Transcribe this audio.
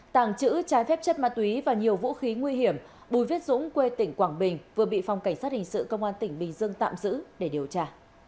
tàng trữ trái phép chất ma túy và nhiều vũ khí nguy hiểm bùi viết dũng quê tỉnh quảng bình vừa bị phòng cảnh sát hình sự công an tỉnh bình dương tạm giữ để điều tra